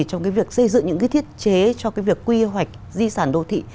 trong cái việc xây dựng những cái thiết chế cho cái việc quy hoạch di sản đô thị